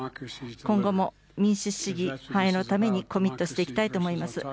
今後も民主主義繁栄のためにコミットしていきたいと思います。